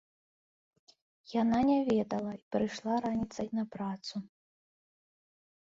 Яна не ведала і прыйшла раніцай на працу.